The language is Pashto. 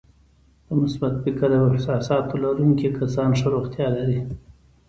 د مثبت فکر او احساساتو لرونکي کسان ښه روغتیا لري.